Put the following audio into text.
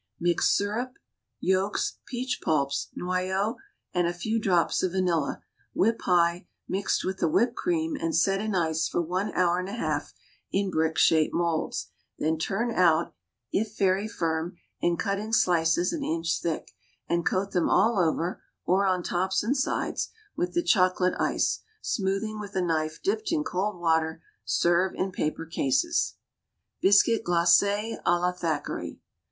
Mix syrup, yolks, peach pulps, noyeau, and a few drops of vanilla, whip high; mix with the whipped cream, and set in ice for one hour and a half in brick shaped molds, then turn out (if very firm), and cut in slices an inch thick, and coat them all over, or on top and sides, with the chocolate ice, smoothing with a knife dipped in cold water; serve in paper cases. BISCUIT GLACÉ À LA THACKERAY.